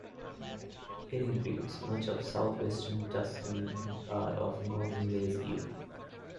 It includes much of south-western Tuscany and part of northern Lazio.